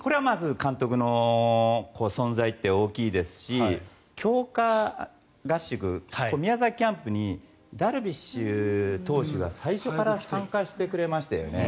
監督の存在って大きいですし強化合宿、宮崎キャンプにダルビッシュ投手が最初から参加してくれましたよね。